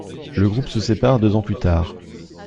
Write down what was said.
Le groupe se sépare deux ans plus tard.